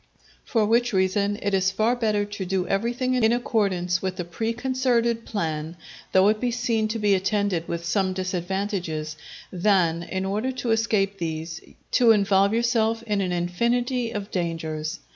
For which reason, it is far better to do everything in accordance with the preconcerted plan, though it be seen to be attended with some disadvantages, than, in order to escape these, to involve yourself in an infinity of dangers.